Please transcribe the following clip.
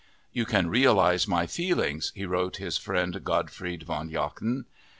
"You can realize my feelings," he wrote his friend Gottfried von Jacquin.